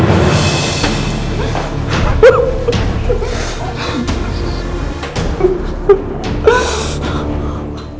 gue gak kenal sama dia